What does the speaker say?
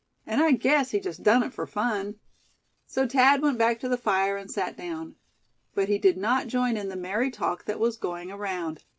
An' I guess he jest done it fur fun." So Thad went back to the fire, and sat down. But he did not join in the merry talk that was going around.